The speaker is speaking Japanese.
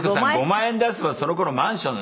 ５万円出せばその頃マンション。